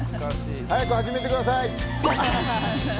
早く始めてください！